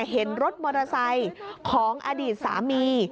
เห็นรถมอเตอร์ไซค์ของอดีตสามี